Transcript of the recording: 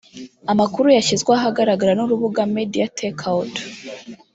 Amakuru yashyizwe ahagaragara n’urubuga MediatakeOut